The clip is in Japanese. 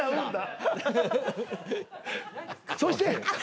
そして。